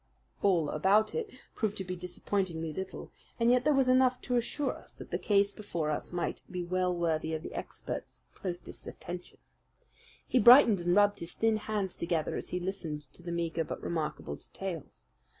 "All about it" proved to be disappointingly little, and yet there was enough to assure us that the case before us might well be worthy of the expert's closest attention. He brightened and rubbed his thin hands together as he listened to the meagre but remarkable details.